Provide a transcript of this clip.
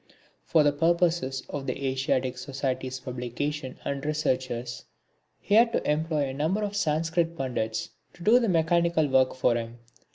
For the purposes of the Asiatic Society's publications and researches, he had to employ a number of Sanscrit Pandits to do the mechanical work for him.